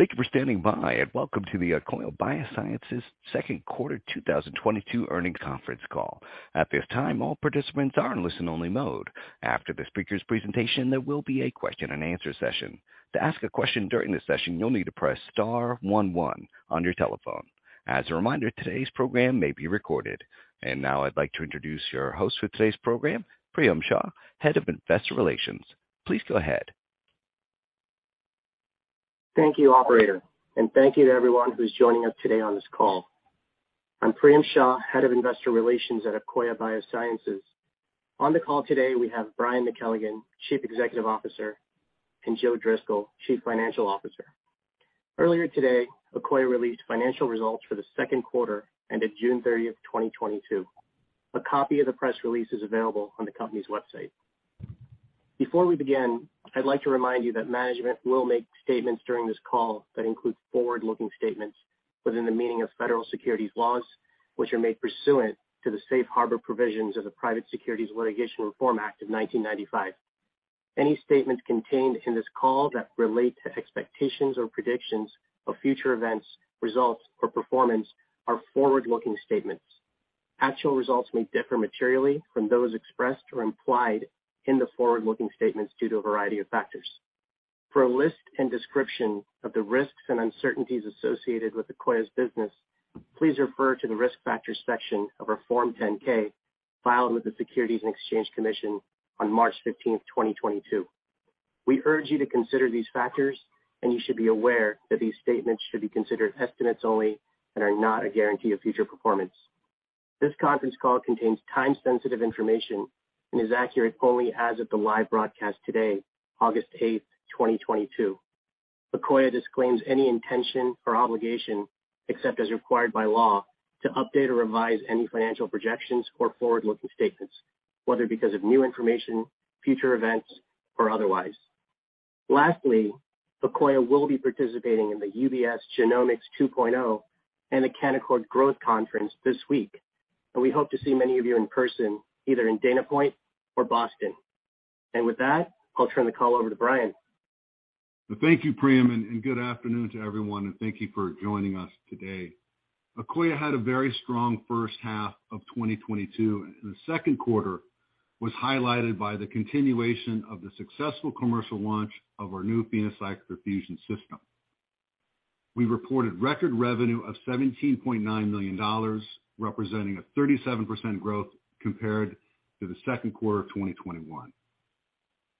Thank you for standing by, and welcome to the Akoya Biosciences Second Quarter 2022 Earnings Conference Call. At this time, all participants are in listen only mode. After the speaker's presentation, there will be a question-and-answer session. To ask a question during the session, you'll need to press star one one on your telephone. As a reminder, today's program may be recorded. Now I'd like to introduce your host for today's program, Priyam Shah, Head of Investor Relations. Please go ahead. Thank you, operator, and thank you to everyone who's joining us today on this call. I'm Priyam Shah, Head of Investor Relations at Akoya Biosciences. On the call today, we have Brian McKelligon, Chief Executive Officer, and Joe Driscoll, Chief Financial Officer. Earlier today, Akoya released financial results for the second quarter ended June 30th, 2022. A copy of the press release is available on the company's website. Before we begin, I'd like to remind you that management will make statements during this call that include forward-looking statements within the meaning of federal securities laws, which are made pursuant to the Safe Harbor provisions of the Private Securities Litigation Reform Act of 1995. Any statements contained in this call that relate to expectations or predictions of future events, results, or performance are forward-looking statements. Actual results may differ materially from those expressed or implied in the forward-looking statements due to a variety of factors. For a list and description of the risks and uncertainties associated with Akoya's business, please refer to the Risk Factors section of our Form 10-K filed with the Securities and Exchange Commission on March 15, 2022. We urge you to consider these factors, and you should be aware that these statements should be considered estimates only and are not a guarantee of future performance. This conference call contains time-sensitive information and is accurate only as of the live broadcast today, August 8, 2022. Akoya disclaims any intention or obligation, except as required by law, to update or revise any financial projections or forward-looking statements, whether because of new information, future events, or otherwise. Lastly, Akoya will be participating in the UBS Genomics 2.0 and the Canaccord Genuity Growth Conference this week, and we hope to see many of you in person either in Dana Point or Boston. With that, I'll turn the call over to Brian. Thank you, Priyam, and good afternoon to everyone, and thank you for joining us today. Akoya had a very strong first half of 2022, and the second quarter was highlighted by the continuation of the successful commercial launch of our new PhenoCycler-Fusion system. We reported record revenue of $17.9 million, representing a 37% growth compared to the second quarter of 2021.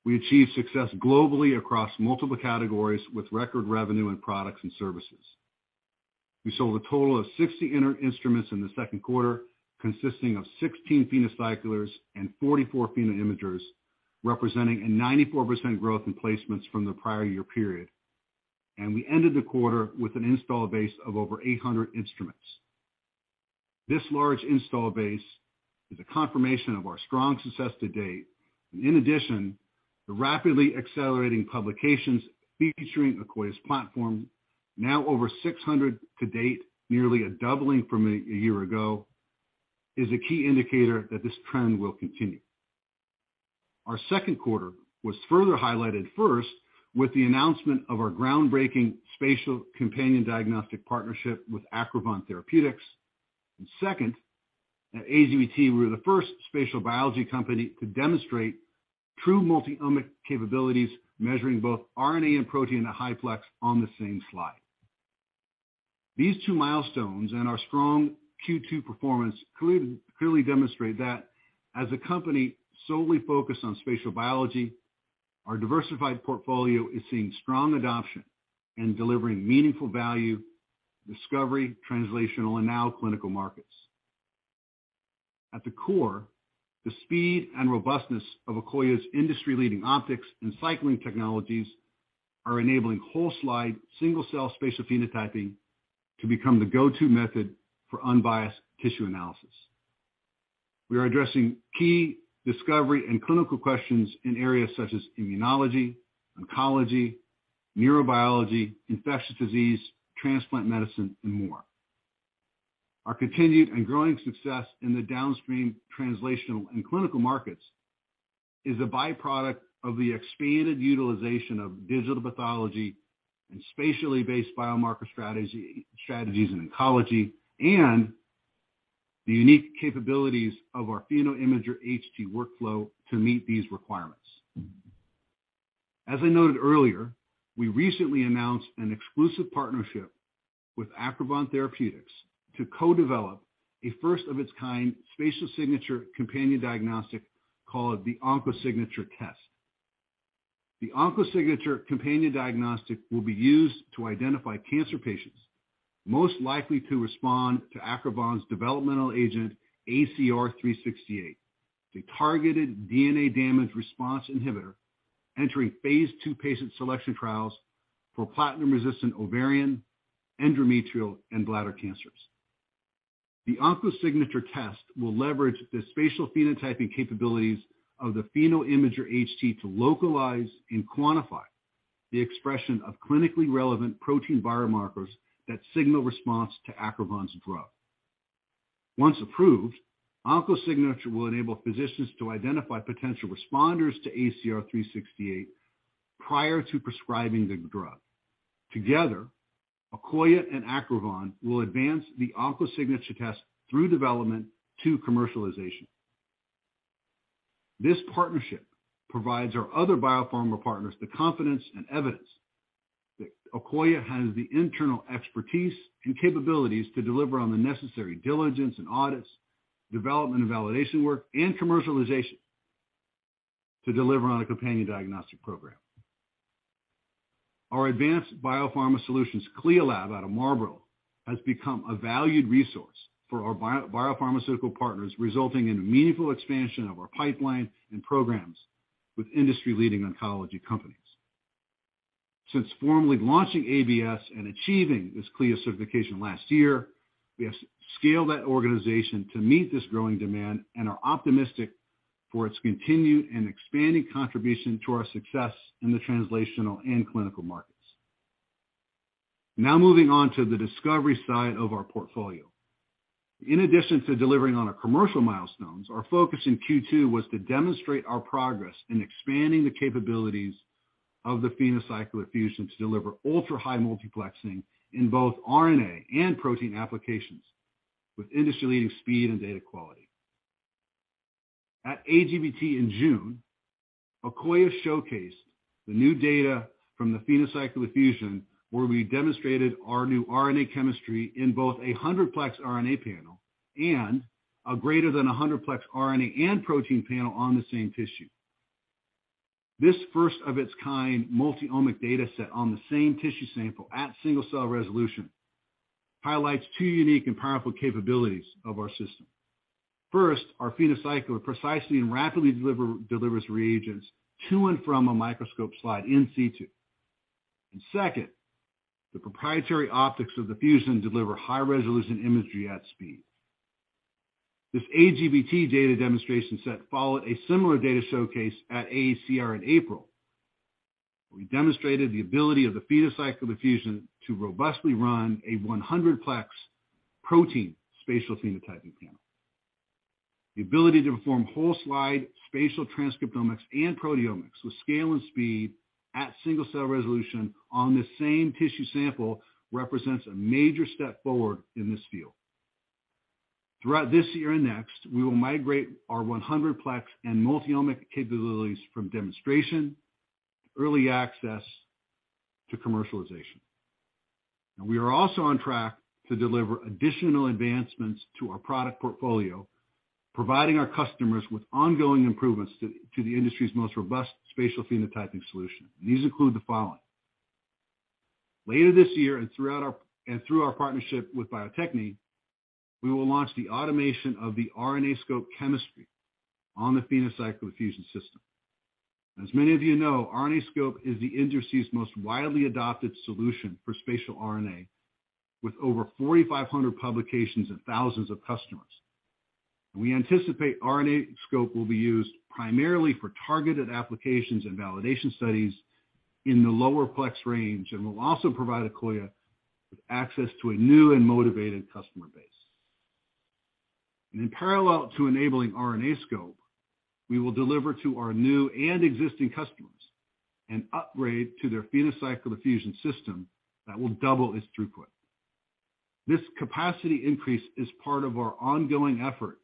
We achieved success globally across multiple categories with record revenue in products and services. We sold a total of 60 instruments in the second quarter, consisting of 16 PhenoCyclers and 44 PhenoImagers, representing a 94% growth in placements from the prior year period, and we ended the quarter with an install base of over 800 instruments. This large install base is a confirmation of our strong success to date, and in addition, the rapidly accelerating publications featuring Akoya's platform, now over 600 to date, nearly a doubling from a year ago, is a key indicator that this trend will continue. Our second quarter was further highlighted first with the announcement of our groundbreaking spatial companion diagnostic partnership with Acrivon Therapeutics. Second, at AGBT, we were the first spatial biology company to demonstrate true multiomic capabilities, measuring both RNA and protein at high-plex on the same slide. These two milestones and our strong Q2 performance clearly demonstrate that as a company solely focused on spatial biology, our diversified portfolio is seeing strong adoption and delivering meaningful value, discovery, translational, and now clinical markets. At the core, the speed and robustness of Akoya's industry-leading optics and cycling technologies are enabling whole slide, single cell spatial phenotyping to become the go-to method for unbiased tissue analysis. We are addressing key discovery and clinical questions in areas such as immunology, oncology, neurobiology, infectious disease, transplant medicine, and more. Our continued and growing success in the downstream translational and clinical markets is a byproduct of the expanded utilization of digital pathology and spatially based biomarker strategies in oncology, and the unique capabilities of our PhenoImager HT workflow to meet these requirements. As I noted earlier, we recently announced an exclusive partnership with Acrivon Therapeutics to co-develop a first of its kind spatial signature companion diagnostic called the OncoSignature test. The OncoSignature companion diagnostic will be used to identify cancer patients most likely to respond to Acrivon's developmental agent, ACR-368, a targeted DNA damage response inhibitor entering phase II patient selection trials for platinum-resistant ovarian, endometrial, and bladder cancers. The OncoSignature test will leverage the spatial phenotyping capabilities of the PhenoImager HT to localize and quantify the expression of clinically relevant protein biomarkers that signal response to Acrivon's drug. Once approved, OncoSignature will enable physicians to identify potential responders to ACR-368 prior to prescribing the drug. Together, Akoya and Acrivon will advance the OncoSignature test through development to commercialization. This partnership provides our other biopharma partners the confidence and evidence that Akoya has the internal expertise and capabilities to deliver on the necessary diligence and audits, development and validation work, and commercialization to deliver on a companion diagnostic program. Our Advanced Biopharma Solutions CLIA lab out of Marlborough has become a valued resource for our biopharmaceutical partners, resulting in a meaningful expansion of our pipeline and programs with industry-leading oncology companies. Since formally launching ABS and achieving this CLIA certification last year, we have scaled that organization to meet this growing demand and are optimistic for its continued and expanding contribution to our success in the translational and clinical markets. Now moving on to the discovery side of our portfolio. In addition to delivering on our commercial milestones, our focus in Q2 was to demonstrate our progress in expanding the capabilities of the PhenoCycler-Fusion to deliver ultra-high multiplexing in both RNA and protein applications with industry-leading speed and data quality. At AGBT in June, Akoya showcased the new data from the PhenoCycler-Fusion, where we demonstrated our new RNA chemistry in both a 100-plex RNA panel and a greater than a 100-plex RNA and protein panel on the same tissue. This first of its kind multiomic data set on the same tissue sample at single-cell resolution highlights two unique and powerful capabilities of our system. First, our PhenoCycler precisely and rapidly delivers reagents to and from a microscope slide in situ. Second, the proprietary optics of the Fusion deliver high-resolution imagery at speed. This AGBT data demonstration set followed a similar data showcase at AACR in April, where we demonstrated the ability of the PhenoCycler-Fusion to robustly run a 100-plex protein spatial phenotyping panel. The ability to perform whole slide spatial transcriptomics and proteomics with scale and speed at single-cell resolution on the same tissue sample represents a major step forward in this field. Throughout this year and next, we will migrate our 100-plex and multiomic capabilities from demonstration, early access, to commercialization. Now we are also on track to deliver additional advancements to our product portfolio, providing our customers with ongoing improvements to the industry's most robust spatial phenotyping solution. These include the following. Later this year, through our partnership with Bio-Techne, we will launch the automation of the RNAscope chemistry on the PhenoCycler-Fusion system. As many of you know, RNAscope is the industry's most widely adopted solution for spatial RNA, with over 4,500 publications and thousands of customers. We anticipate RNAscope will be used primarily for targeted applications and validation studies in the lower plex range, and will also provide Akoya with access to a new and motivated customer base. In parallel to enabling RNAscope, we will deliver to our new and existing customers an upgrade to their PhenoCycler-Fusion system that will double its throughput. This capacity increase is part of our ongoing effort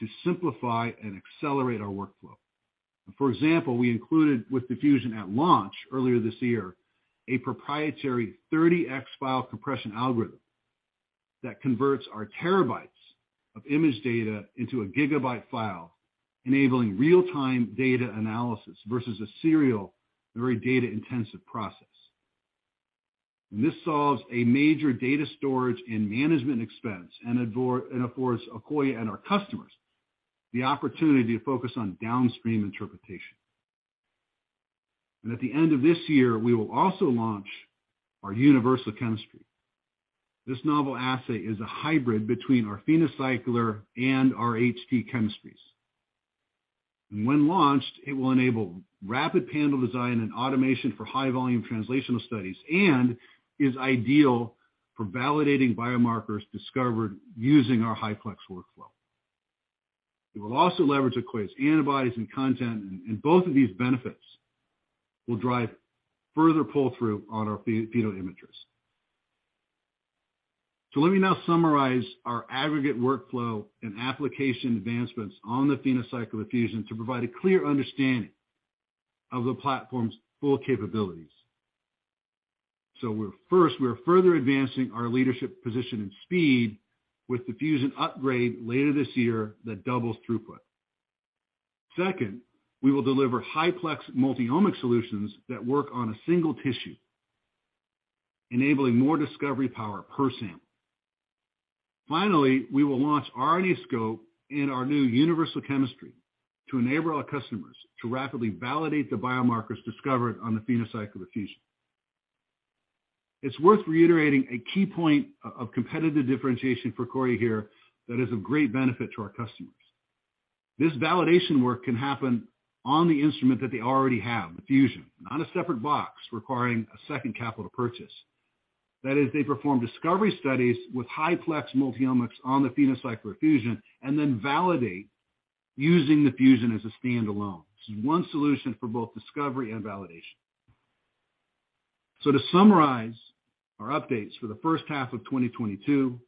to simplify and accelerate our workflow. For example, we included with the Fusion at launch earlier this year, a proprietary 30x file compression algorithm that converts our terabytes of image data into a gigabyte file, enabling real-time data analysis versus a serial, very data-intensive process. This solves a major data storage and management expense and affords Akoya and our customers the opportunity to focus on downstream interpretation. At the end of this year, we will also launch our universal chemistry. This novel assay is a hybrid between our PhenoCycler and our HT chemistries. When launched, it will enable rapid panel design and automation for high volume translational studies, and is ideal for validating biomarkers discovered using our high-plex workflow. It will also leverage Akoya's antibodies and content, and both of these benefits will drive further pull-through on our PhenoImager. Let me now summarize our aggregate workflow and application advancements on the PhenoCycler-Fusion to provide a clear understanding of the platform's full capabilities. First, we are further advancing our leadership position in speed with the Fusion upgrade later this year that doubles throughput. Second, we will deliver high-plex multiomic solutions that work on a single tissue, enabling more discovery power per sample. Finally, we will launch RNAscope and our new universal chemistry to enable our customers to rapidly validate the biomarkers discovered on the PhenoCycler-Fusion. It's worth reiterating a key point of competitive differentiation for Akoya here that is of great benefit to our customers. This validation work can happen on the instrument that they already have, the Fusion, not a separate box requiring a second capital purchase. That is, they perform discovery studies with high-plex multiomics on the PhenoCycler-Fusion, and then validate using the Fusion as a standalone. One solution for both discovery and validation. To summarize our updates for the first half of 2022,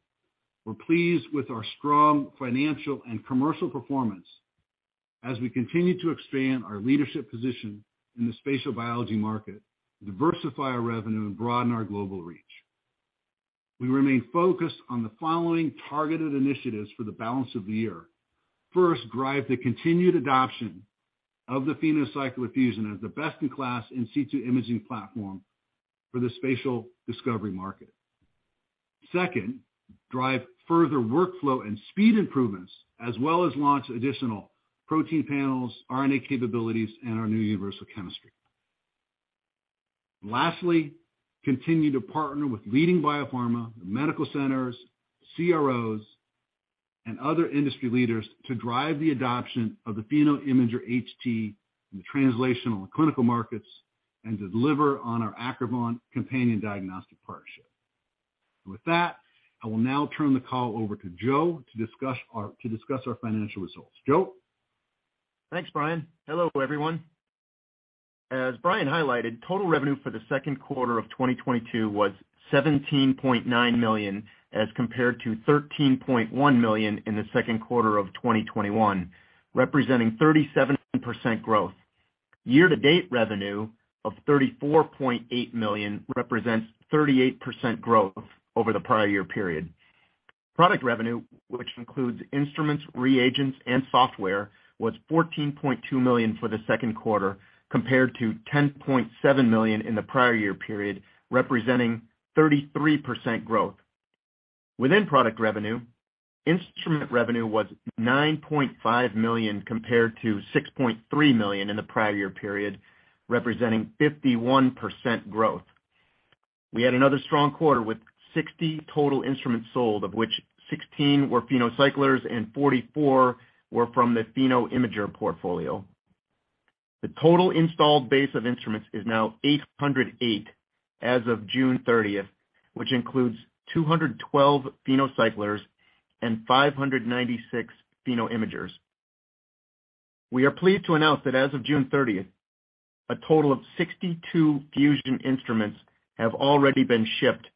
we're pleased with our strong financial and commercial performance as we continue to expand our leadership position in the spatial biology market, diversify our revenue, and broaden our global reach. We remain focused on the following targeted initiatives for the balance of the year. First, drive the continued adoption of the PhenoCycler-Fusion as the best-in-class in situ imaging platform for the spatial discovery market. Second, drive further workflow and speed improvements as well as launch additional protein panels, RNA capabilities, and our new universal chemistry. Lastly, continue to partner with leading biopharma, medical centers, CROs, and other industry leaders to drive the adoption of the PhenoImager HT in the translational and clinical markets and deliver on our Acrivon companion diagnostic partnership. With that, I will now turn the call over to Joe to discuss our financial results. Joe? Thanks, Brian. Hello, everyone. As Brian highlighted, total revenue for the second quarter of 2022 was $17.9 million, as compared to $13.1 million in the second quarter of 2021, representing 37% growth. Year-to-date revenue of $34.8 million represents 38% growth over the prior year period. Product revenue, which includes instruments, reagents, and software, was $14.2 million for the second quarter, compared to $10.7 million in the prior year period, representing 33% growth. Within product revenue, instrument revenue was $9.5 million compared to $6.3 million in the prior year period, representing 51% growth. We had another strong quarter with 60 total instruments sold, of which 16 were PhenoCyclers and 44 were from the PhenoImager portfolio. The total installed base of instruments is now 808 as of June 30th, which includes 212 PhenoCyclers and 596 PhenoImagers. We are pleased to announce that as of June 30th, a total of 62 Fusion instruments have already been shipped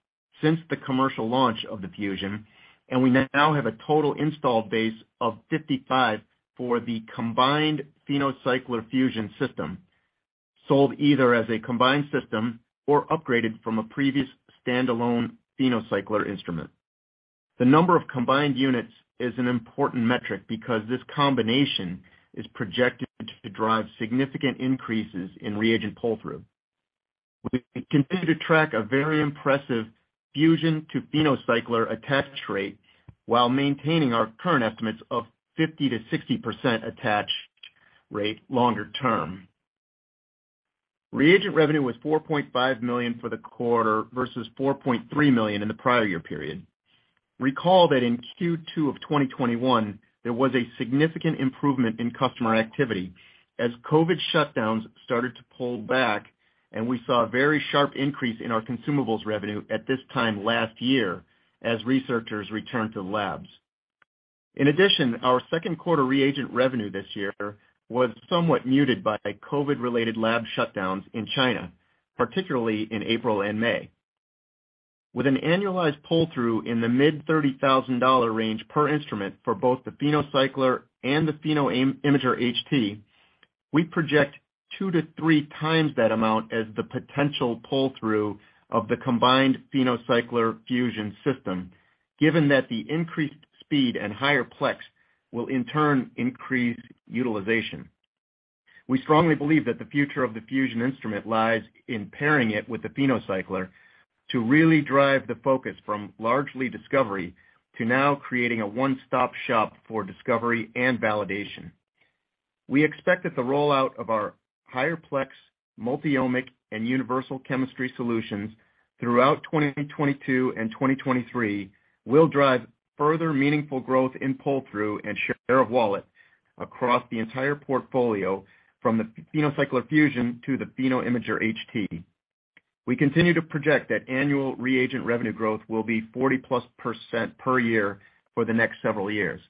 since the commercial launch of the PhenoCycler-Fusion, and we now have a total installed base of 55 for the combined PhenoCycler-Fusion system, sold either as a combined system or upgraded from a previous standalone PhenoCycler instrument. The number of combined units is an important metric because this combination is projected to drive significant increases in reagent pull-through. We continue to track a very impressive Fusion to PhenoCycler attach rate while maintaining our current estimates of 50%-60% attached rate longer term. Reagent revenue was $4.5 million for the quarter versus $4.3 million in the prior year period. Recall that in Q2 of 2021, there was a significant improvement in customer activity as COVID shutdowns started to pull back, and we saw a very sharp increase in our consumables revenue at this time last year as researchers returned to labs. In addition, our second quarter reagent revenue this year was somewhat muted by COVID-related lab shutdowns in China, particularly in April and May. With an annualized pull-through in the mid $30,000 range per instrument for both the PhenoCycler and the PhenoImager HT, we project 2x-3x that amount as the potential pull-through of the combined PhenoCycler-Fusion system, given that the increased speed and higher plex will in turn increase utilization. We strongly believe that the future of the Fusion instrument lies in pairing it with the PhenoCycler to really drive the focus from largely discovery to now creating a one-stop shop for discovery and validation. We expect that the rollout of our higher plex multiomic and universal chemistry solutions throughout 2022 and 2023 will drive further meaningful growth in pull-through and share of wallet across the entire portfolio, from the PhenoCycler-Fusion to the PhenoImager HT. We continue to project that annual reagent revenue growth will be 40%+ per year for the next several years.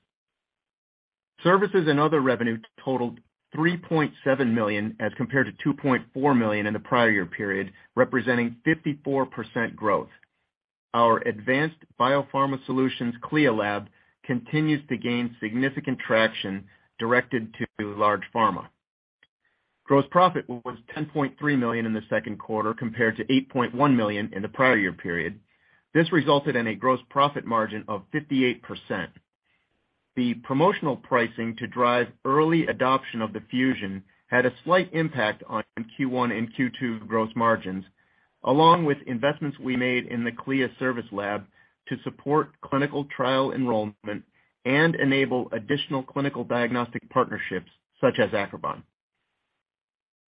Services and other revenue totaled $3.7 million as compared to $2.4 million in the prior year period, representing 54% growth. Our Advanced Biopharma Solutions CLIA lab continues to gain significant traction directed to large pharma. Gross profit was $10.3 million in the second quarter compared to $8.1 million in the prior year period. This resulted in a gross profit margin of 58%. The promotional pricing to drive early adoption of the Fusion had a slight impact on Q1 and Q2 gross margins, along with investments we made in the CLIA service lab to support clinical trial enrollment and enable additional clinical diagnostic partnerships such as Acrivon.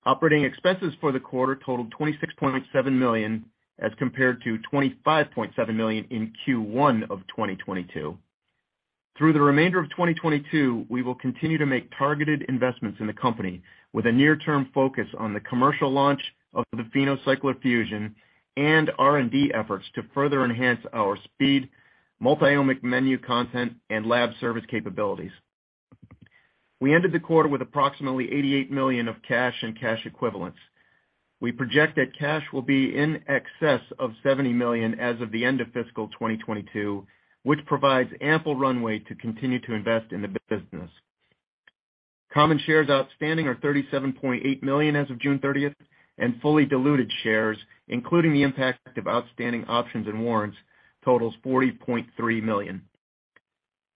Operating expenses for the quarter totaled $26.7 million, as compared to $25.7 million in Q1 of 2022. Through the remainder of 2022, we will continue to make targeted investments in the company with a near-term focus on the commercial launch of the PhenoCycler-Fusion and R&D efforts to further enhance our speed, multiomic menu content and lab service capabilities. We ended the quarter with approximately $88 million of cash and cash equivalents. We project that cash will be in excess of $70 million as of the end of fiscal 2022, which provides ample runway to continue to invest in the business. Common shares outstanding are 37.8 million as of June 30th, and fully diluted shares, including the impact of outstanding options and warrants, totals 40.3 million.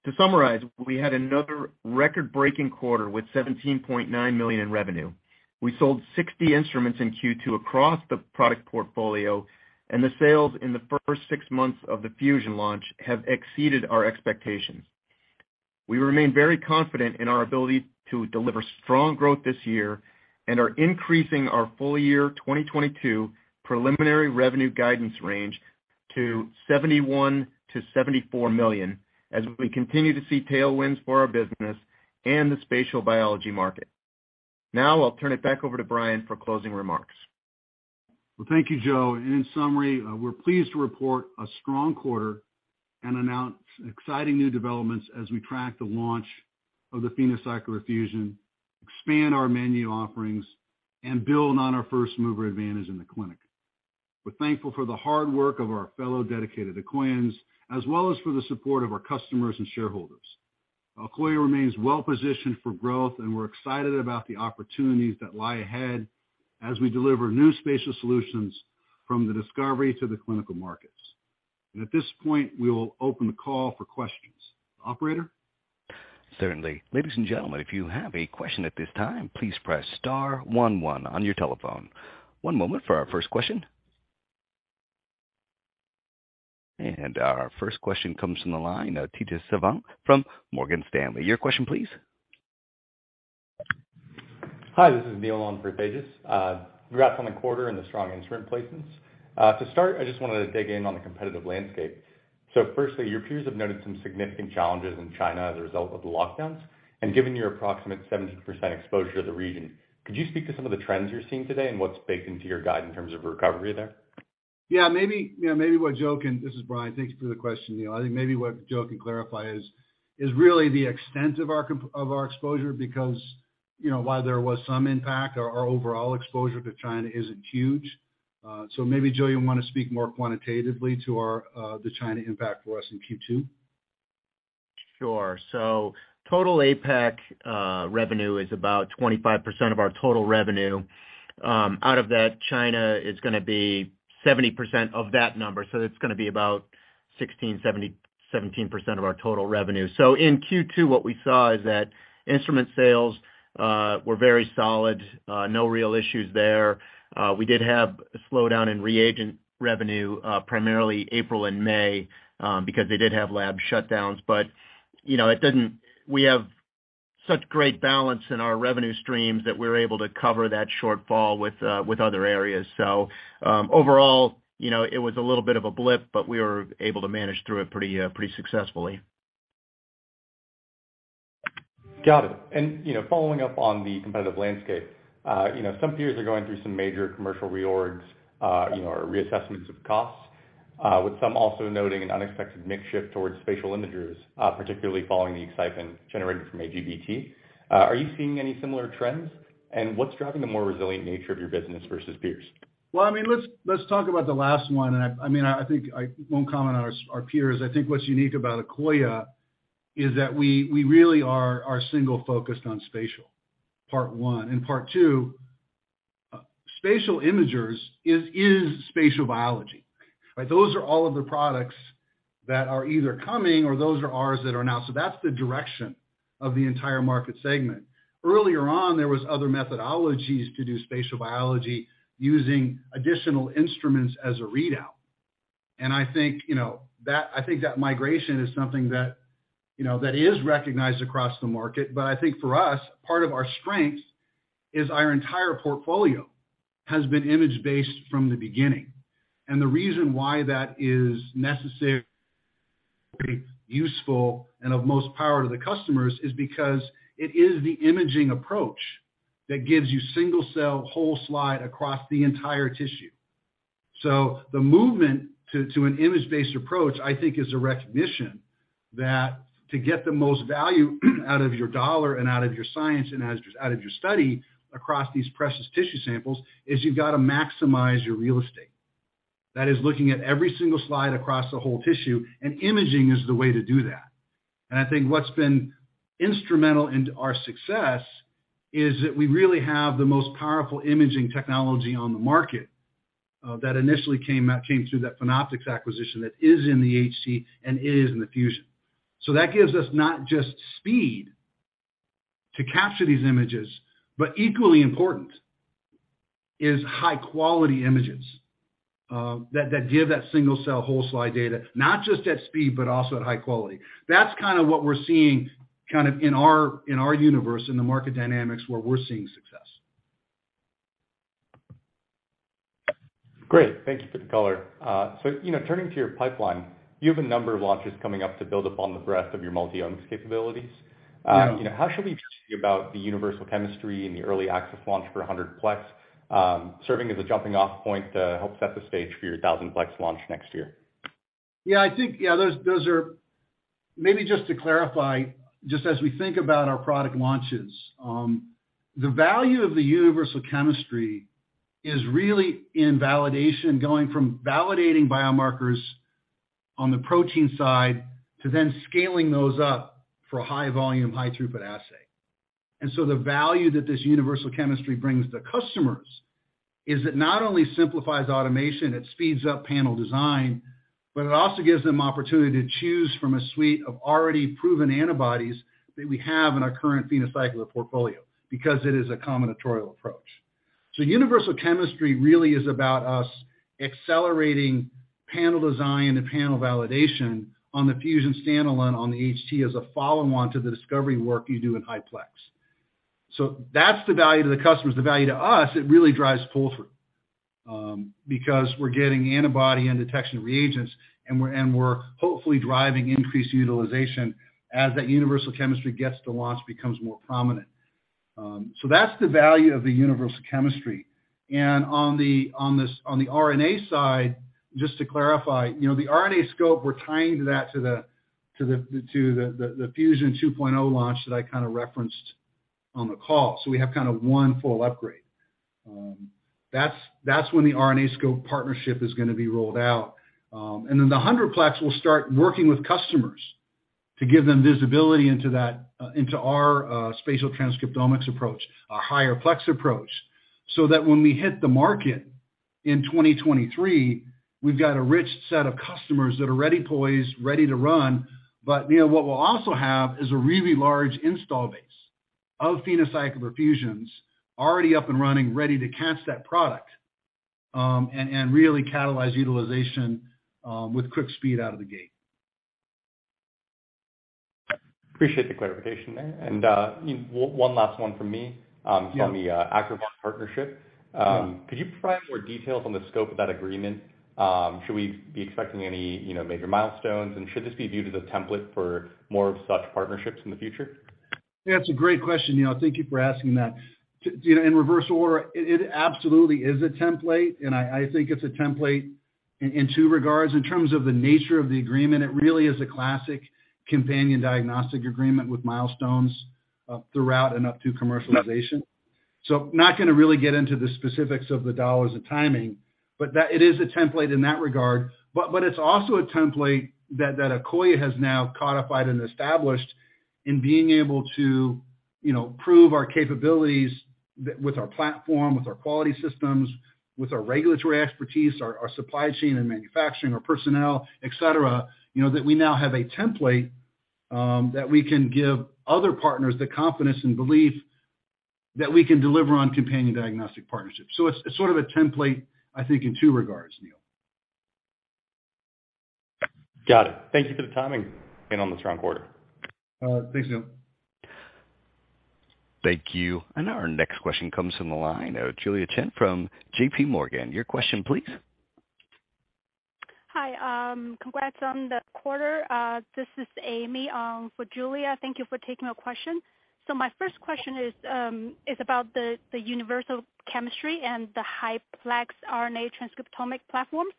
To summarize, we had another record-breaking quarter with $17.9 million in revenue. We sold 60 instruments in Q2 across the product portfolio, and the sales in the first six months of the Fusion launch have exceeded our expectations. We remain very confident in our ability to deliver strong growth this year and are increasing our full year 2022 preliminary revenue guidance range to $71 million-$74 million as we continue to see tailwinds for our business and the spatial biology market. Now I'll turn it back over to Brian for closing remarks. Well, thank you, Joe. In summary, we're pleased to report a strong quarter and announce exciting new developments as we track the launch of the PhenoCycler-Fusion, expand our menu offerings, and build on our first mover advantage in the clinic. We're thankful for the hard work of our fellow dedicated Akoyans, as well as for the support of our customers and shareholders. Akoya remains well-positioned for growth, and we're excited about the opportunities that lie ahead as we deliver new spatial solutions from the discovery to the clinical markets. At this point, we will open the call for questions. Operator? Certainly. Ladies and gentlemen, if you have a question at this time, please press star one one on your telephone. One moment for our first question. Our first question comes from the line of Tejas Savant from Morgan Stanley. Your question please. Hi, this is Neil on for Tejas. Congrats on the quarter and the strong instrument placements. To start, I just wanted to dig in on the competitive landscape. Firstly, your peers have noted some significant challenges in China as a result of the lockdowns. Given your approximate 70% exposure to the region, could you speak to some of the trends you're seeing today and what's baked into your guide in terms of recovery there? This is Brian. Thank you for the question, Neil. I think maybe what Joe can clarify is really the extent of our exposure because, you know, while there was some impact, our overall exposure to China isn't huge. Maybe, Joe, you wanna speak more quantitatively to our, the China impact for us in Q2. Sure. Total APAC revenue is about 25% of our total revenue. Out of that, China is gonna be 70% of that number, so it's gonna be about 17% of our total revenue. In Q2, what we saw is that instrument sales were very solid, no real issues there. We did have a slowdown in reagent revenue, primarily April and May, because they did have lab shutdowns. But, you know, we have such great balance in our revenue streams that we're able to cover that shortfall with other areas. Overall, you know, it was a little bit of a blip, but we were able to manage through it pretty successfully. Got it. You know, following up on the competitive landscape, you know, some peers are going through some major commercial reorgs, you know, or reassessments of costs, with some also noting an unexpected mix shift towards spatial imagers, particularly following the excitement generated from AGBT. Are you seeing any similar trends? What's driving the more resilient nature of your business versus peers? Well, I mean, let's talk about the last one, and I mean, I think I won't comment on our peers. I think what's unique about Akoya is that we really are single-focused on spatial, part one. Part two, spatial imagers is spatial biology, right? Those are all of the products that are either coming or those are ours that are announced. That's the direction of the entire market segment. Earlier on, there was other methodologies to do spatial biology using additional instruments as a readout. I think, you know, that I think that migration is something that, you know, that is recognized across the market. I think for us, part of our strength is our entire portfolio has been image-based from the beginning. The reason why that is necessary, useful, and of most power to the customers is because it is the imaging approach that gives you single-cell whole slide across the entire tissue. The movement to an image-based approach, I think, is a recognition that to get the most value out of your dollar and out of your science out of your study across these precious tissue samples, is you've got to maximize your real estate. That is looking at every single slide across the whole tissue, and imaging is the way to do that. I think what's been instrumental in our success is that we really have the most powerful imaging technology on the market, that initially came through that Phenoptics acquisition that is in the HT and is in the Fusion. that gives us not just speed to capture these images, but equally important is high-quality images. That give that single cell whole slide data, not just at speed, but also at high quality. That's kinda what we're seeing kind of in our universe, in the market dynamics where we're seeing success. Great. Thank you for the color. You know, turning to your pipeline, you have a number of launches coming up to build upon the breadth of your multiomics capabilities. Yeah. You know, how should we think about the universal chemistry and the early access launch for 100-plex, serving as a jumping off point to help set the stage for your 1,000-plex launch next year? I think those are. Maybe just to clarify, just as we think about our product launches, the value of the universal chemistry is really in validation, going from validating biomarkers on the protein side to then scaling those up for a high volume, high throughput assay. The value that this universal chemistry brings to customers is it not only simplifies automation, it speeds up panel design, but it also gives them opportunity to choose from a suite of already proven antibodies that we have in our current PhenoCycler portfolio, because it is a combinatorial approach. Universal chemistry really is about us accelerating panel design and panel validation on the Fusion standalone on the HT as a follow-on to the discovery work you do in high-plex. That's the value to the customers. The value to us, it really drives pull-through, because we're getting antibody and detection reagents, and we're hopefully driving increased utilization as that universal chemistry gets to launch, becomes more prominent. That's the value of the universal chemistry. On the RNA side, just to clarify, you know, the RNAscope, we're tying that to the PhenoCycler-Fusion 2.0 launch that I kinda referenced on the call. We have kinda one full upgrade. That's when the RNAscope partnership is gonna be rolled out. The 100-plex, we'll start working with customers to give them visibility into that, into our spatial transcriptomics approach, our higher plex approach, so that when we hit the market in 2023, we've got a rich set of customers that are ready, poised, ready to run. You know, what we'll also have is a really large installed base of PhenoCycler-Fusion already up and running, ready to catch that product, and really catalyze utilization with quick speed out of the gate. Appreciate the clarification there. You know, one last one from me. Yeah. On the Acrivon partnership. Could you provide more details on the scope of that agreement? Should we be expecting any, you know, major milestones? Should this be viewed as a template for more of such partnerships in the future? Yeah, it's a great question, Neil. Thank you for asking that. To, you know, in reverse order, it absolutely is a template, and I think it's a template in two regards. In terms of the nature of the agreement, it really is a classic companion diagnostic agreement with milestones throughout and up to commercialization. Not gonna really get into the specifics of the dollars and timing, but that it is a template in that regard. It's also a template that Akoya has now codified and established in being able to, you know, prove our capabilities with our platform, with our quality systems, with our regulatory expertise, our supply chain and manufacturing, our personnel, et cetera, you know, that we now have a template that we can give other partners the confidence and belief that we can deliver on companion diagnostic partnerships. It's sort of a template, I think, in two regards, Neil. Got it. Thank you for the time. On the strong quarter. Thanks, Neil. Thank you. Now our next question comes from the line of Julia Qin from JPMorgan. Your question please. Hi. Congrats on the quarter. This is Amy for Julia. Thank you for taking my question. My first question is about the universal chemistry and the HiPlex RNA transcriptomic platforms.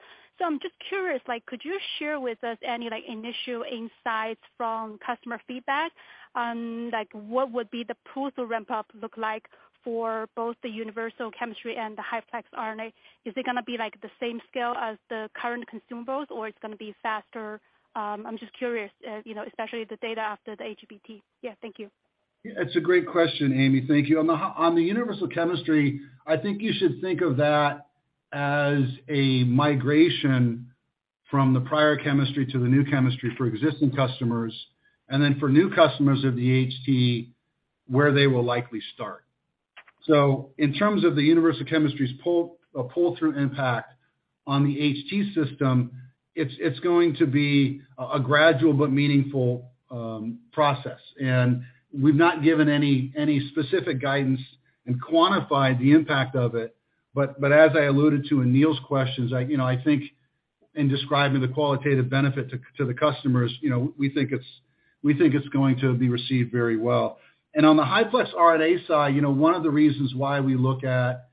I'm just curious, like, could you share with us any, like, initial insights from customer feedback on, like, what would be the pull-through ramp-up look like for both the universal chemistry and the HiPlex RNA? Is it gonna be, like, the same scale as the current consumables, or it's gonna be faster? I'm just curious, you know, especially the data after the AGBT. Yeah, thank you. It's a great question, Amy. Thank you. On the universal chemistry, I think you should think of that as a migration from the prior chemistry to the new chemistry for existing customers, and then for new customers of the HT, where they will likely start. So in terms of the universal chemistry's pull-through impact on the HT system, it's going to be a gradual but meaningful process. We've not given any specific guidance and quantified the impact of it, but as I alluded to in Neil's questions, you know, I think in describing the qualitative benefit to the customers, you know, we think it's going to be received very well. On the HiPlex RNA side, you know, one of the reasons why we look at...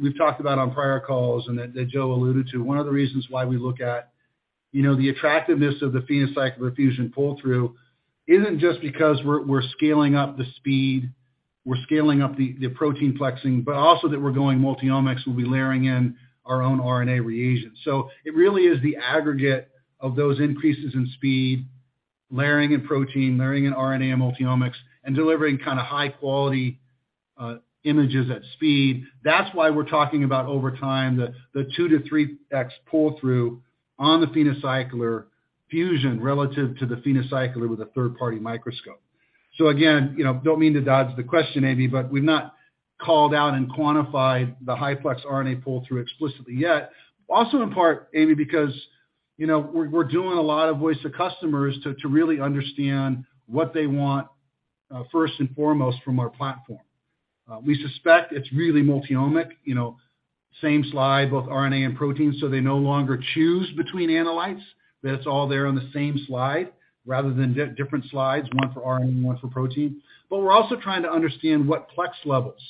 We've talked about on prior calls and that Joe alluded to, one of the reasons why we look at, you know, the attractiveness of the PhenoCycler-Fusion pull-through isn't just because we're scaling up the speed, we're scaling up the protein plexing, but also that we're going multiomics. We'll be layering in our own RNA reagents. It really is the aggregate of those increases in speed, layering in protein, layering in RNA and multiomics, and delivering kinda high-quality images at speed. That's why we're talking about over time, the 2x-3x pull-through on the PhenoCycler-Fusion relative to the PhenoCycler with a third-party microscope. Again, you know, don't mean to dodge the question, Amy, but we've not called out and quantified the HiPlex RNA pull-through explicitly yet. Also in part, Amy, because, you know, we're doing a lot of voice of customers to really understand what they want, first and foremost from our platform. We suspect it's really multiomic, you know, same slide, both RNA and protein, so they no longer choose between analytes. That it's all there on the same slide rather than different slides, one for RNA, one for protein. We're also trying to understand what plex levels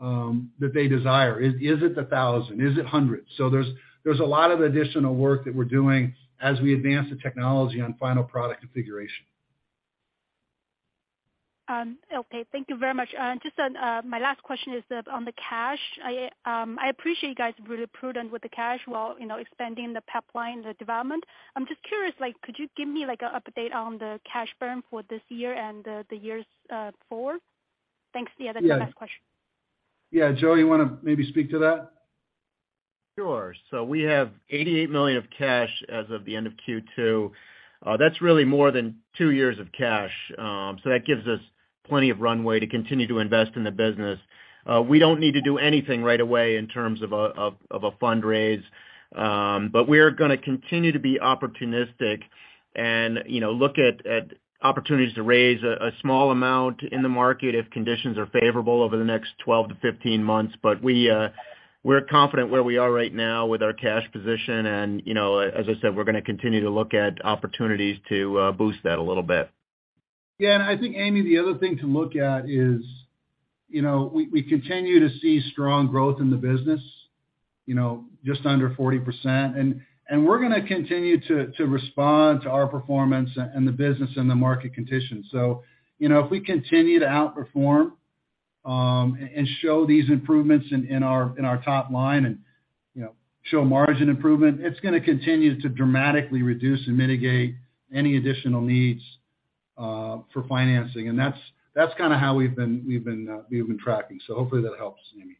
that they desire. Is it the thousand? Is it hundreds? There's a lot of additional work that we're doing as we advance the technology on final product configuration. Okay, thank you very much. Just on my last question is the on the cash. I appreciate you guys really prudent with the cash while, you know, expanding the pipeline, the development. I'm just curious, like, could you give me, like, a update on the cash burn for this year and the years forward? Thanks. Yeah, that's my last question. Yeah, Joe, you wanna maybe speak to that? Sure. We have $88 million of cash as of the end of Q2. That's really more than two years of cash. That gives us plenty of runway to continue to invest in the business. We don't need to do anything right away in terms of a fundraise. We're gonna continue to be opportunistic and, you know, look at opportunities to raise a small amount in the market if conditions are favorable over the next 12-15 months. We're confident where we are right now with our cash position and, you know, as I said, we're gonna continue to look at opportunities to boost that a little bit. Yeah. I think, Amy, the other thing to look at is, you know, we continue to see strong growth in the business, you know, just under 40%. We're gonna continue to respond to our performance and the business and the market conditions. You know, if we continue to outperform and show these improvements in our top line and show margin improvement, it's gonna continue to dramatically reduce and mitigate any additional needs for financing. That's kinda how we've been tracking. Hopefully that helps, Amy.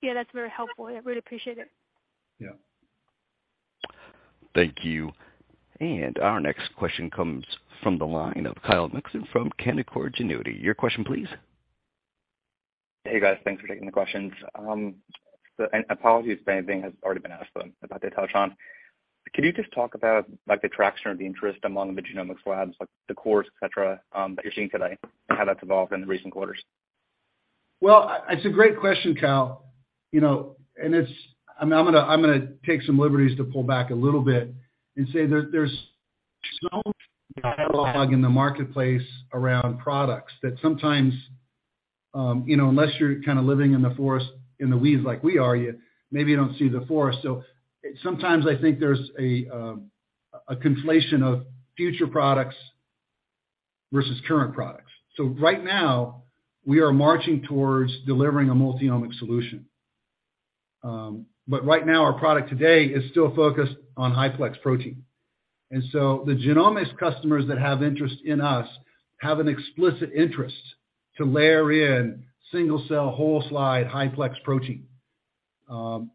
Yeah, that's very helpful. I really appreciate it. Yeah. Thank you. Our next question comes from the line of Kyle Mikson from Canaccord Genuity. Your question please. Hey, guys. Thanks for taking the questions. Apologies if anything has already been asked but I touched on. Could you just talk about, like, the traction or the interest among the genomics labs, like the cores, et cetera, that you're seeing today and how that's evolved in the recent quarters? Well, it's a great question, Kyle. You know, I mean, I'm gonna take some liberties to pull back a little bit and say there's so much dialogue in the marketplace around products that sometimes, you know, unless you're kinda living in the forest, in the weeds like we are, you maybe don't see the forest. Sometimes I think there's a conflation of future products versus current products. Right now, we are marching towards delivering a multiomic solution. But right now our product today is still focused on high-plex protein. The genomics customers that have interest in us have an explicit interest to layer in single-cell, whole slide high-plex protein. Now,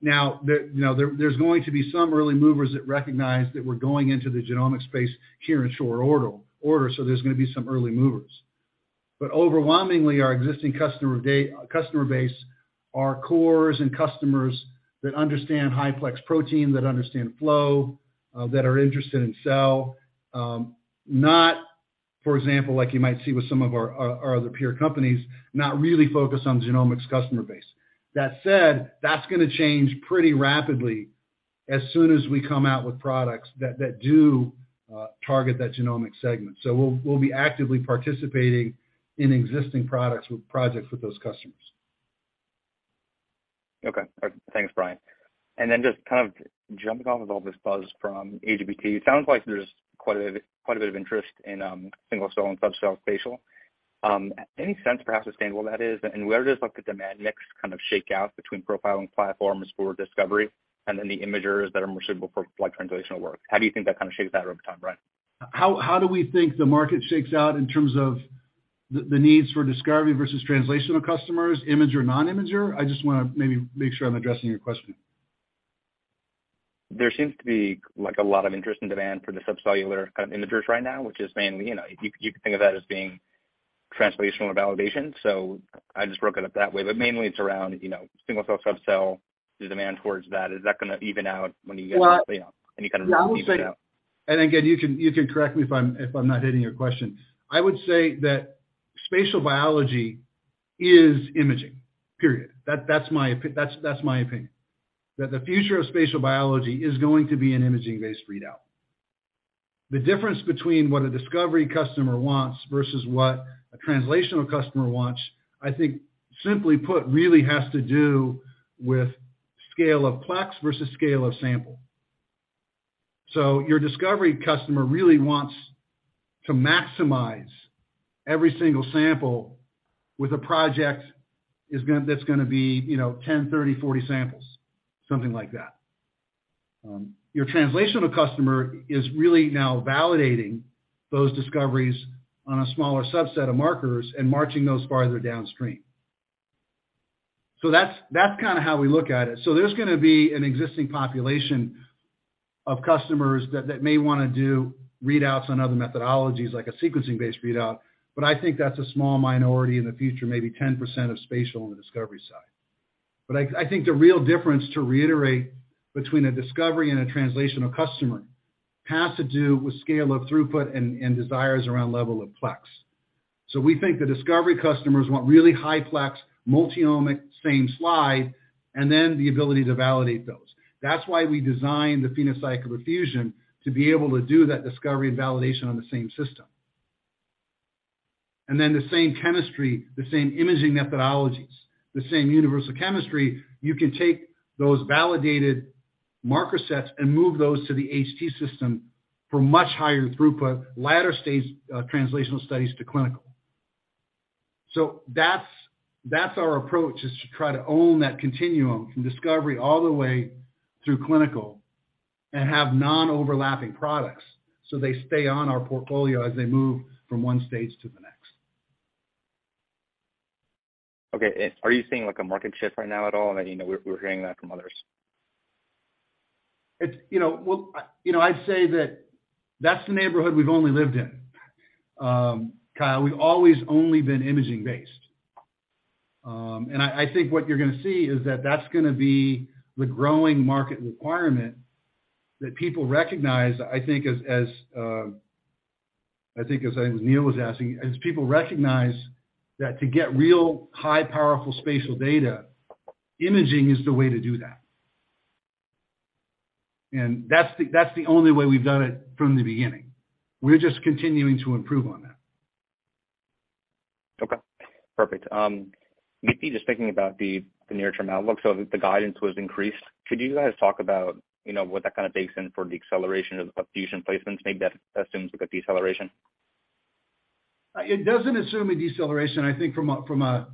you know, there's going to be some early movers that recognize that we're going into the genomic space here in short order, so there's gonna be some early movers. Overwhelmingly, our existing customer base are cores and customers that understand high-plex protein, that understand flow, that are interested in cell. For example, like you might see with some of our other peer companies, not really focused on genomics customer base. That said, that's gonna change pretty rapidly as soon as we come out with products that do target that genomic segment. We'll be actively participating in existing products with projects with those customers. Okay. Thanks, Brian. Just kind of jumping off of all this buzz from AGBT, it sounds like there's quite a bit of interest in single-cell and sub-cell spatial. Any sense perhaps of sustainable that is, and where does like the demand mix kind of shake out between profiling platforms for discovery and then the imagers that are more suitable for like translational work? How do you think that kind of shakes out over time, Brian? How do we think the market shakes out in terms of the needs for discovery versus translational customers, imager, non-imager? I just wanna maybe make sure I'm addressing your question. There seems to be like a lot of interest and demand for the subcellular kind of imagers right now, which is mainly, you know, you could think of that as being translational or validation. I just broke it up that way. Mainly it's around, you know, single-cell, sub-cell, the demand towards that. Is that gonna even out when you guys- Well- You know, any kind of- I would say you can correct me if I'm not hitting your question. I would say that spatial biology is imaging, period. That's my opinion, that the future of spatial biology is going to be an imaging-based readout. The difference between what a discovery customer wants versus what a translational customer wants, I think simply put, really has to do with scale of plex versus scale of sample. Your discovery customer really wants to maximize every single sample with a project that's gonna be, you know, 10, 30, 40 samples, something like that. Your translational customer is really now validating those discoveries on a smaller subset of markers and marching those farther downstream. That's kinda how we look at it. There's gonna be an existing population of customers that may wanna do readouts on other methodologies, like a sequencing-based readout. I think that's a small minority in the future, maybe 10% of spatial on the discovery side. I think the real difference, to reiterate, between a discovery and a translational customer has to do with scale of throughput and desires around level of plex. We think the discovery customers want really high-plex, multiomic, same slide, and then the ability to validate those. That's why we designed the PhenoCycler-Fusion to be able to do that discovery and validation on the same system. The same chemistry, the same imaging methodologies, the same universal chemistry, you can take those validated marker sets and move those to the HT system for much higher throughput, later stage, translational studies to clinical. That's our approach, is to try to own that continuum from discovery all the way through clinical and have non-overlapping products, so they stay on our portfolio as they move from one stage to the next. Okay. Are you seeing, like, a market shift right now at all? I mean, you know, we're hearing that from others. It's, you know, well, you know, I'd say that that's the neighborhood we've only lived in, Kyle. We've always only been imaging based. I think what you're gonna see is that that's gonna be the growing market requirement that people recognize, I think as Neil was asking, as people recognize that to get real high powerful spatial data, imaging is the way to do that. That's the only way we've done it from the beginning. We're just continuing to improve on that. Okay. Perfect. Maybe just thinking about the near-term outlook. The guidance was increased. Could you guys talk about, you know, what that kind of bakes in for the acceleration of fusion placements? Maybe that assumes like a deceleration. It doesn't assume a deceleration. I think from an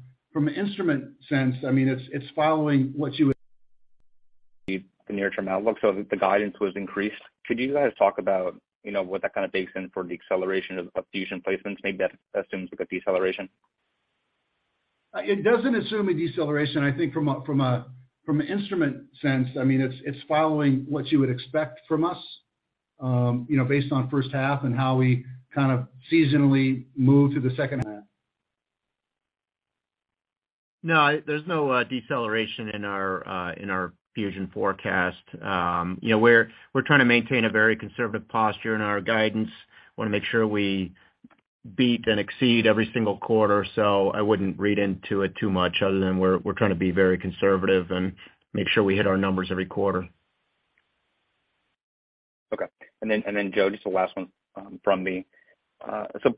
instrument sense, I mean, it's following what you would- The near-term outlook, so the guidance was increased. Could you guys talk about, you know, what that kind of bakes in for the acceleration of fusion placements? Maybe that assumes like a deceleration. It doesn't assume a deceleration. I think from an instrument sense, I mean, it's following what you would expect from us, you know, based on first half and how we kind of seasonally move to the second half. No, there's no deceleration in our fusion forecast. You know, we're trying to maintain a very conservative posture in our guidance. Wanna make sure we beat and exceed every single quarter. I wouldn't read into it too much other than we're trying to be very conservative and make sure we hit our numbers every quarter. Okay. Joe, just the last one from me.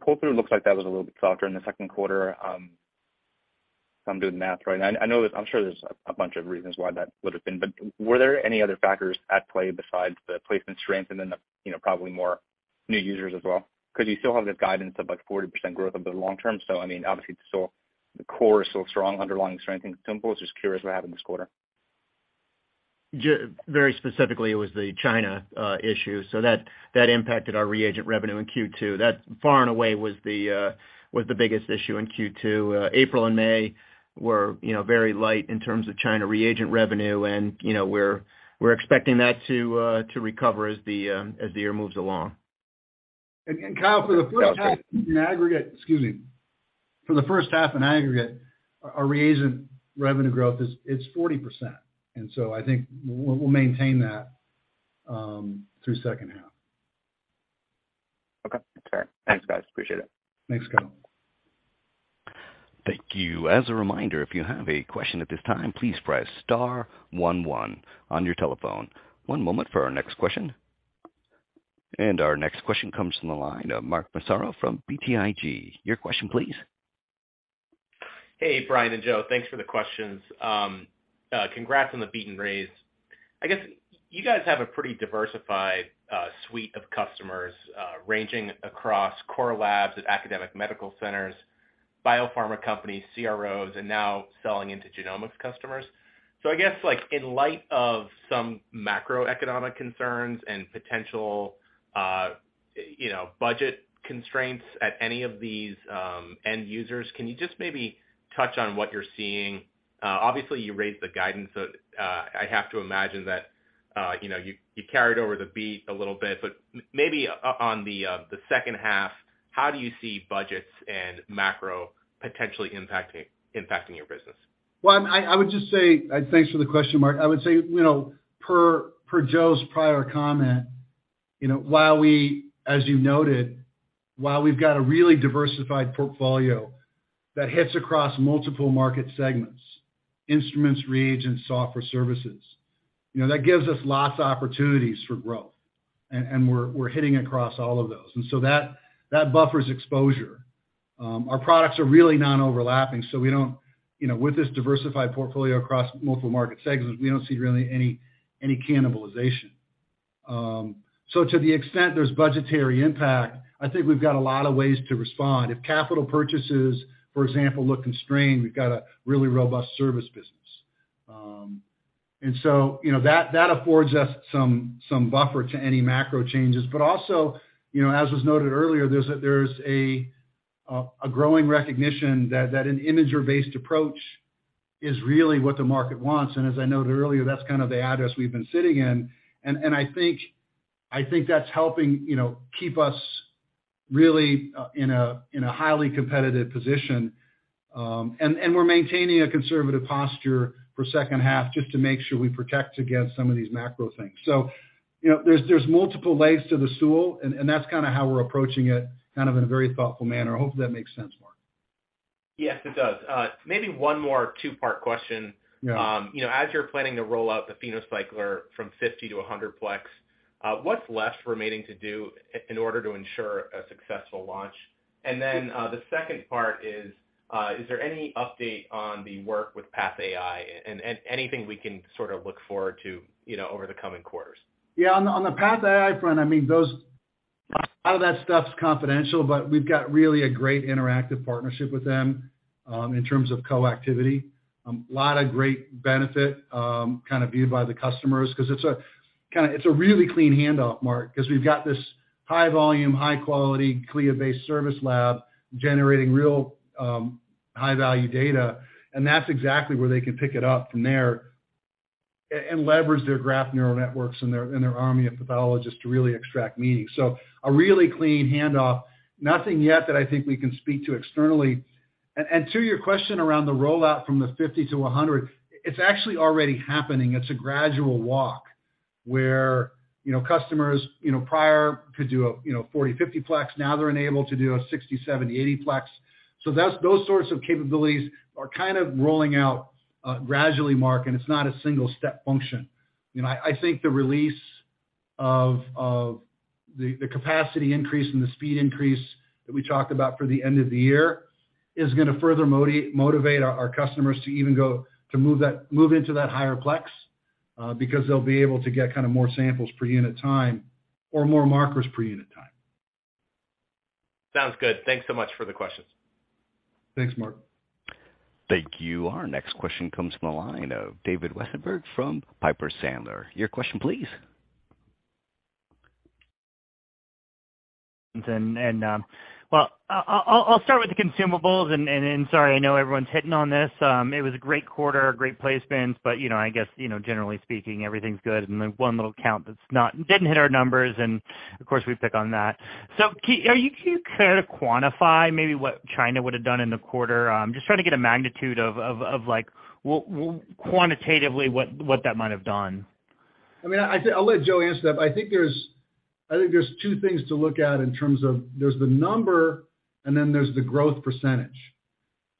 Pull-through looks like that was a little bit softer in the second quarter, if I'm doing the math right. I'm sure there's a bunch of reasons why that would have been. Were there any other factors at play besides the placement strength and then, you know, probably more new users as well? 'Cause you still have the guidance of like 40% growth over the long term. I mean, obviously, the core is still strong, underlying strength in spatial. Just curious what happened this quarter. Very specifically, it was the China issue. That impacted our reagent revenue in Q2. That far and away was the biggest issue in Q2. April and May were, you know, very light in terms of China reagent revenue and, you know, we're expecting that to recover as the year moves along. Kyle, for the first half in aggregate, our reagent revenue growth is 40%. I think we'll maintain that through second half. Okay. That's fair. Thanks, guys. Appreciate it. Thanks, Kyle. Thank you. As a reminder, if you have a question at this time, please press star one one on your telephone. One moment for our next question. Our next question comes from the line of Mark Massaro from BTIG. Your question, please. Hey, Brian and Joe. Thanks for the questions. Congrats on the beat and raise. I guess you guys have a pretty diversified suite of customers ranging across core labs at academic medical centers, biopharma companies, CROs, and now selling into genomics customers. I guess, like, in light of some macroeconomic concerns and potential, you know, budget constraints at any of these end users, can you just maybe touch on what you're seeing? Obviously, you raised the guidance, so I have to imagine that, you know, you carried over the beat a little bit. Maybe on the second half, how do you see budgets and macro potentially impacting your business? I would just say thanks for the question, Mark. I would say, you know, per Joe's prior comment, you know, while we, as you noted, while we've got a really diversified portfolio that hits across multiple market segments, instruments, reagents, software, services, you know, that gives us lots of opportunities for growth, and we're hitting across all of those. That buffers exposure. Our products are really non-overlapping, so we don't, you know, with this diversified portfolio across multiple market segments, we don't see really any cannibalization. So to the extent there's budgetary impact, I think we've got a lot of ways to respond. If capital purchases, for example, look constrained, we've got a really robust service business, and so, you know, that affords us some buffer to any macro changes. Also, you know, as was noted earlier, there's a growing recognition that an imager-based approach is really what the market wants. As I noted earlier, that's kind of the address we've been sitting in. I think that's helping, you know, keep us really in a highly competitive position. We're maintaining a conservative posture for second half just to make sure we protect against some of these macro things. You know, there's multiple legs to the stool and that's kinda how we're approaching it, kind of in a very thoughtful manner. I hope that makes sense, Mark. Yes, it does. Maybe one more two-part question. Yeah. You know, as you're planning to roll out the PhenoCycler from 50 to 100 plex, what's left remaining to do in order to ensure a successful launch? Then, the second part is there any update on the work with PathAI and anything we can sort of look forward to, you know, over the coming quarters? Yeah. On the PathAI front, I mean, those. A lot of that stuff's confidential, but we've got really a great interactive partnership with them in terms of co-activity. A lot of great benefit kind of viewed by the customers 'cause it's a really clean handoff, Mark, 'cause we've got this high volume, high quality, CLIA-based service lab generating real high value data, and that's exactly where they can pick it up from there and leverage their graph neural networks and their army of pathologists to really extract meaning. So a really clean handoff. Nothing yet that I think we can speak to externally. To your question around the rollout from the 50 to 100, it's actually already happening. It's a gradual walk where, you know, customers, you know, prior could do a, you know, 40, 50 plex, now they're enabled to do a 60, 70, 80 plex. That's those sorts of capabilities are kind of rolling out gradually, Mark, and it's not a single step function. You know, I think the release of the capacity increase and the speed increase that we talked about for the end of the year is gonna further motivate our customers to even move into that higher plex, because they'll be able to get kinda more samples per unit time or more markers per unit time. Sounds good. Thanks so much for the questions. Thanks, Mark. Thank you. Our next question comes from the line of David Westenberg from Piper Sandler. Your question please. Well, I'll start with the consumables and then, sorry, I know everyone's hitting on this. It was a great quarter, great placements, but you know, I guess, you know, generally speaking, everything's good and then one little count that didn't hit our numbers and of course we pick on that. Can you kinda quantify maybe what China would've done in the quarter? Just trying to get a magnitude of like what quantitatively what that might have done. I'll let Joe answer that, but I think there's two things to look at in terms of there's the number and then there's the growth percentage.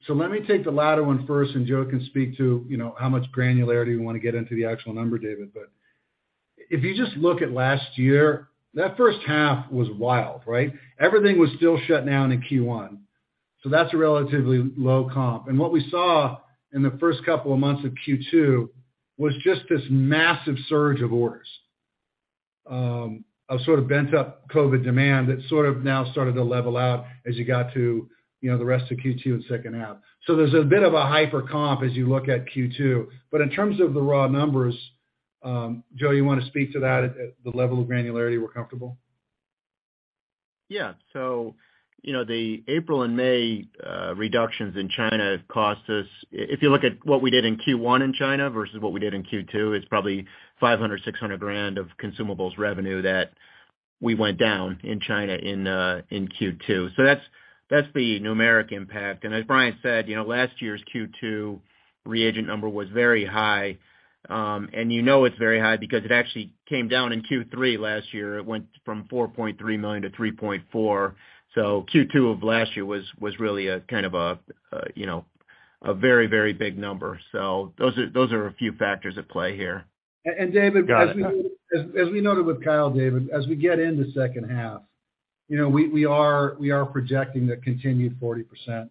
Let me take the latter one first and Joe can speak to, you know, how much granularity we wanna get into the actual number, David. But if you just look at last year, that first half was wild, right? Everything was still shut down in Q1, so that's a relatively low comp. What we saw in the first couple of months of Q2 was just this massive surge of orders, of sort of pent-up COVID demand that sort of now started to level out as you got to, you know, the rest of Q2 and second half. There's a bit of a hyper comp as you look at Q2. In terms of the raw numbers, Joe, you wanna speak to that at the level of granularity we're comfortable? Yeah. You know, the April and May reductions in China cost us. If you look at what we did in Q1 in China versus what we did in Q2, it's probably $500,000-$600,000 of consumables revenue that we went down in China in Q2. That's the numeric impact. As Brian said, you know, last year's Q2 reagent number was very high. You know, it's very high because it actually came down in Q3 last year. It went from $4.3 million to $3.4 million. Q2 of last year was really a kind of a you know very very big number. Those are a few factors at play here. David, as we— Got it. As we noted with Kyle, David, as we get into second half, you know, we are projecting a continued 40%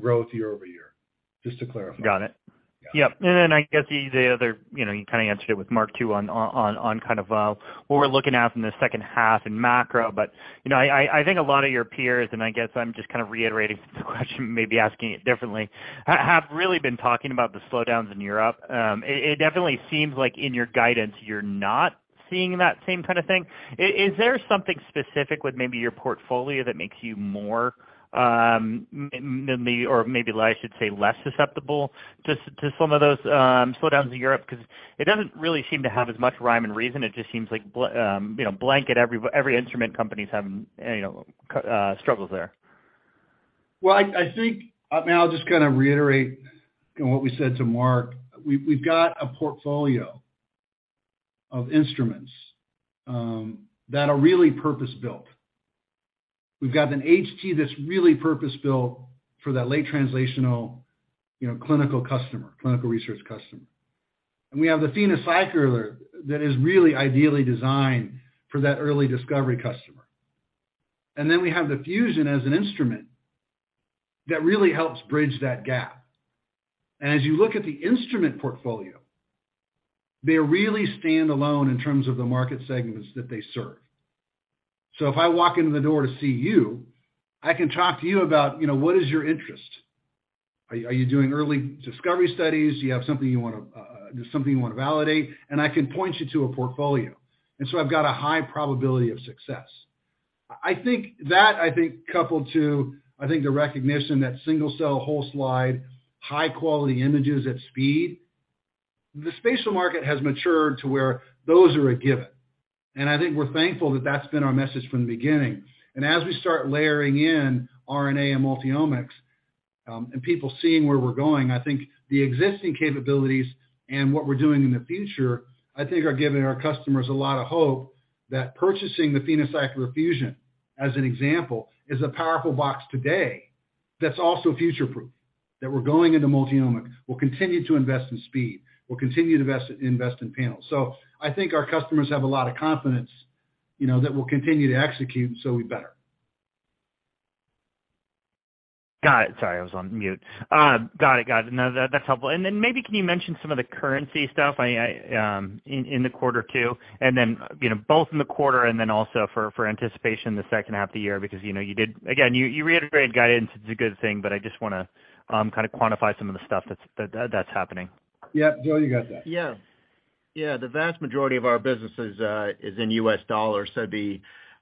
growth year-over-year, just to clarify. Got it. Yep. Then I guess the other, you know, you kinda answered it with Mark too on kind of what we're looking at from the second half in macro. You know, I think a lot of your peers, and I guess I'm just kind of reiterating the question, maybe asking it differently, have really been talking about the slowdowns in Europe. It definitely seems like in your guidance you're not seeing that same kind of thing. Is there something specific with maybe your portfolio that makes you more maybe or maybe I should say, less susceptible to some of those slowdowns in Europe? 'Cause it doesn't really seem to have as much rhyme and reason. It just seems like blanket every instrument companies have, you know, struggles there. Well, I mean, I'll just kinda reiterate what we said to Mark. We've got a portfolio of instruments that are really purpose-built. We've got an HT that's really purpose-built for that late translational, you know, clinical customer, clinical research customer. We have the PhenoCycler that is really ideally designed for that early discovery customer. Then we have the Fusion as an instrument that really helps bridge that gap. As you look at the instrument portfolio, they really stand alone in terms of the market segments that they serve. If I walk in the door to see you, I can talk to you about, you know, what is your interest? Are you doing early discovery studies? Do you have something you wanna validate? I can point you to a portfolio. I've got a high probability of success. I think coupled to the recognition that single-cell whole slide, high quality images at speed, the spatial market has matured to where those are a given. I think we're thankful that that's been our message from the beginning. As we start layering in RNA and multiomics, and people seeing where we're going, I think the existing capabilities and what we're doing in the future are giving our customers a lot of hope that purchasing the PhenoCycler-Fusion, as an example, is a powerful box today that's also future proof. That we're going into multiomics. We'll continue to invest in speed. We'll continue to invest in panels. I think our customers have a lot of confidence, you know, that we'll continue to execute, so we better. Got it. Sorry, I was on mute. Got it. No, that's helpful. Maybe can you mention some of the currency stuff in the quarter too, and then, you know, both in the quarter and then also for anticipation the second half of the year, because, you know, you did. Again, you reiterate guidance, it's a good thing, but I just wanna kind of quantify some of the stuff that's happening. Yeah. Joe, you got that. The vast majority of our businesses is in U.S. dollars, so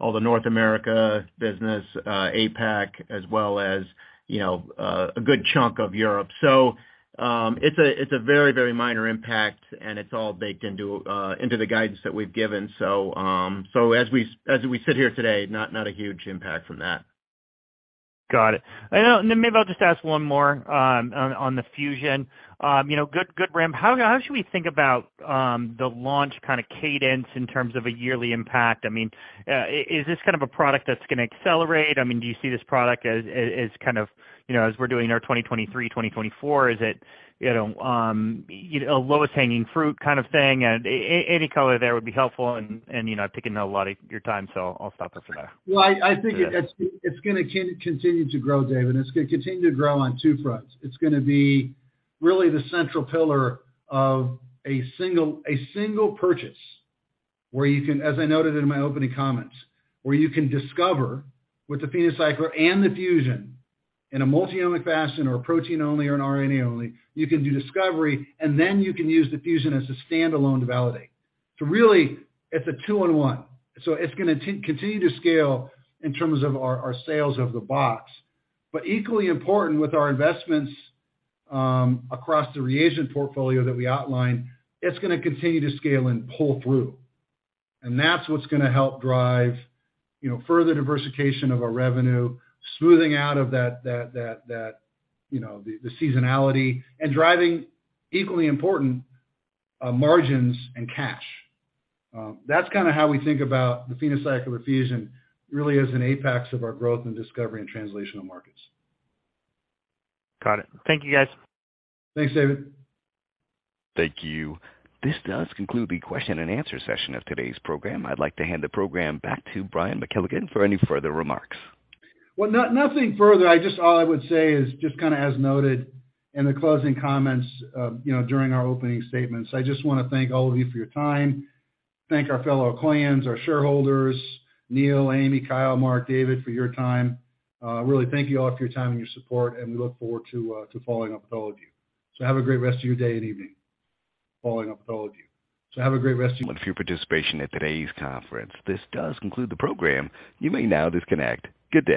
all the North America business, APAC as well as, you know, a good chunk of Europe. It's a very minor impact, and it's all baked into the guidance that we've given. As we sit here today, not a huge impact from that. Got it. I know, and then maybe I'll just ask one more, on the Fusion. You know, good ramp. How should we think about the launch kinda cadence in terms of a yearly impact? I mean, is this kind of a product that's gonna accelerate? I mean, do you see this product as kind of, you know, as we're doing our 2023, 2024, is it, you know, a lowest hanging fruit kind of thing? Any color there would be helpful, and you know, I've taken a lot of your time, so I'll stop there for now. Well, I think it's gonna continue to grow, David. It's gonna continue to grow on two fronts. It's gonna be really the central pillar of a single purchase where you can, as I noted in my opening comments, where you can discover with the PhenoCycler and the Fusion in a multiomic fashion or a protein only or an RNA only, you can do discovery, and then you can use the Fusion as a standalone to validate. So really it's a two in one. So it's gonna continue to scale in terms of our sales of the box. But equally important with our investments across the reagent portfolio that we outlined, it's gonna continue to scale and pull through. That's what's gonna help drive, you know, further diversification of our revenue, smoothing out of that, you know, the seasonality and driving, equally important, margins and cash. That's kinda how we think about the PhenoCycler-Fusion really as an apex of our growth in discovery and translational markets. Got it. Thank you, guys. Thanks, David. Thank you. This does conclude the question-and-answer session of today's program. I'd like to hand the program back to Brian McKelligon for any further remarks. Well, nothing further. All I would say is just kinda as noted in the closing comments, you know, during our opening statements, I just wanna thank all of you for your time. Thank our fellow clients, our shareholders, Neil, Amy, Kyle, Mark, David, for your time. Really thank you all for your time and your support, and we look forward to following up with all of you. Have a great rest of your day and evening. Thank you for your participation at today's conference. This does conclude the program. You may now disconnect. Good day.